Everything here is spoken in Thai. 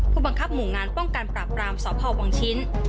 ผู้บังคับหมู่งานป้องกันปราบรามสพวังชิ้น